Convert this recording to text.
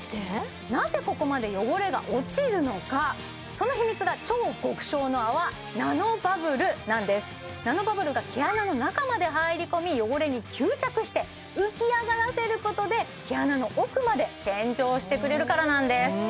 なぜここまで汚れが落ちるのかその秘密がナノバブルが毛穴の中まで入り込み汚れに吸着して浮き上がらせることで毛穴の奥まで洗浄してくれるからなんです